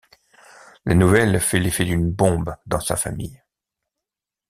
La nouvelle fait l'effet d'une bombe dans sa famille.